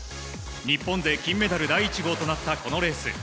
日本勢金メダル第１号となったこのレース。